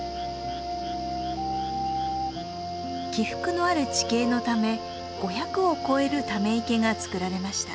起伏のある地形のため５００を超えるため池が作られました。